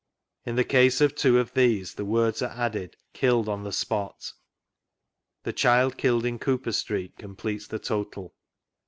In the case of two of these the words are added " Idlled on the spot." The child killed in Cooper Street completes the total.